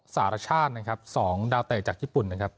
สารชาตินะครับ๒ดาวเตะจากญี่ปุ่นนะครับ